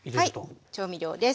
はい調味料です。